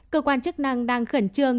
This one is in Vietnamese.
cơ quan chức năng đang khẩn trương